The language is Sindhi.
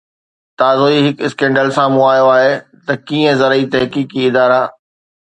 تازو ئي هڪ اسڪينڊل سامهون آيو آهي ته ڪيئن زرعي تحقيقي ادارا